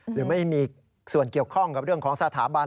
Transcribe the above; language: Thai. หรือไม่มีส่วนเกี่ยวข้องกับเรื่องของสถาบัน